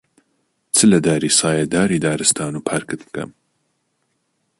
چ لە داری سایەداری دارستان و پارکت بکەم،